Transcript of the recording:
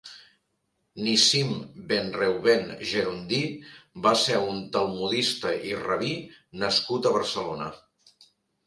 Nissim ben Reuben Gerondí va ser un talmudista i rabí nascut a Barcelona.